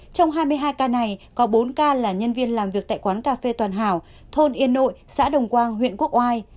trong hai mươi hai ca này có bốn ca là nhân viên làm việc tại quán cà phê toàn hảo thôn yên nội xã đồng quang huyện quốc oai